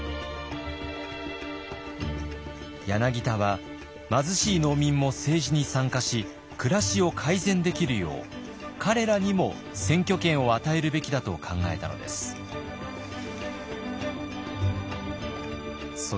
柳田は貧しい農民も政治に参加し暮らしを改善できるよう彼らにも選挙権を与えるべきだと考えたのです。